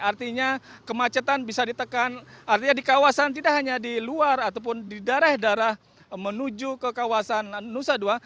artinya kemacetan bisa ditekan artinya di kawasan tidak hanya di luar ataupun di darah darah menuju ke kawasan nusa dua